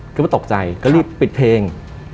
ก็ตกใจก็รีบปิดเพลง